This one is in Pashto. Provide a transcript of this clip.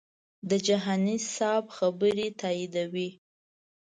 د جهاني صاحب خبرې تاییدوي.